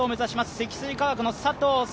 積水化学の佐藤早